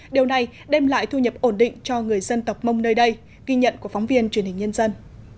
điều này đem lại thu nhập ổn định cho người dân tộc mông nơi đây ghi nhận của phóng viên truyền hình nhân dân